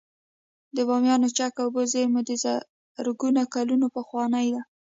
د بامیانو چک اوبو زیرمه د زرګونه کلونو پخوانۍ ده